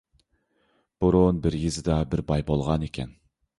بۇرۇن بىر يېزىدا بىر باي بولغانىكەن.